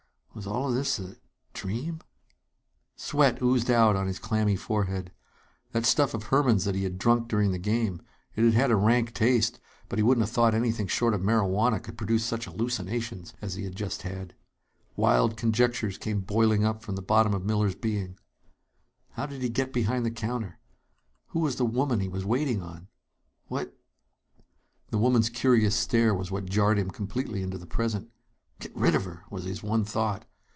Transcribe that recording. Was all this a a dream? Sweat oozed out on his clammy forehead. That stuff of Herman's that he had drunk during the game it had had a rank taste, but he wouldn't have thought anything short of marihuana could produce such hallucinations as he had just had. Wild conjectures came boiling up from the bottom of Miller's being. How did he get behind the counter? Who was the woman he was waiting on? What The woman's curious stare was what jarred him completely into the present. Get rid of her! was his one thought.